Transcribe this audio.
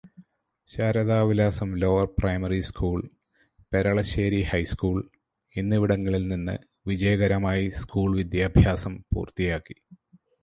Sharadavilasam lower primary school, Peralassery high school എന്നിവിടങ്ങളിൽ നിന്ന് വിജയകരമായി സ്കൂള് വിദ്യാഭ്യാസം പൂർത്തിയാക്കി.